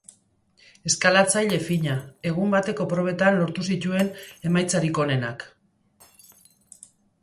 Eskalatzaile fina, egun bateko probetan lortu zituen emaitzarik onenak.